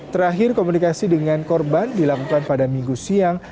terakhir komunikasi dengan korban dilakukan pada minggu siang